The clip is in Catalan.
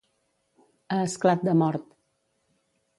A esclat de mort.